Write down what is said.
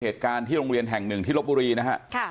เหตุการณ์ที่โรงเรียนแห่ง๑ที่รบบุรีนะครับ